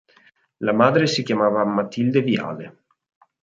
La madre si chiamava Matilde Viale.